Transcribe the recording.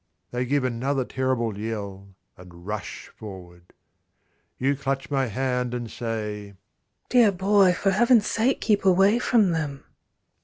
They give another terrible yell and rush forward. You clutch my hand and say, "Dear boy, for heaven's sake, keep away from them."